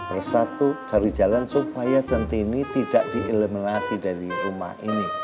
bersatu cari jalan supaya centini tidak dieliminasi dari rumah ini